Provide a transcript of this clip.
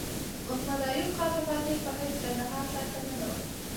محمد ایوب خان د فاتح په حیث کندهار ښار ته ننوت.